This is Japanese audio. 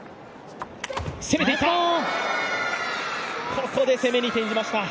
ここで攻めに転じました。